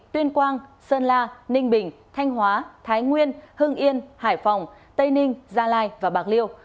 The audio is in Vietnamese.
tuyên quang sơn la ninh bình thanh hóa thái nguyên hưng yên hải phòng tây ninh gia lai và bạc liêu